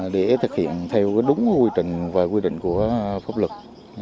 để thực hiện theo đúng quy trình và quy định của pháp luật